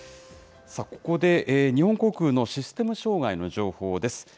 さあ、ここで日本航空のシステム障害の情報です。